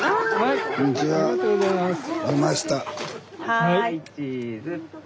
・はいチーズ。